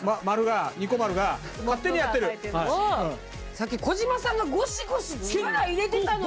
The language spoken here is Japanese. さっき児嶋さんがゴシゴシ力入れてたのに。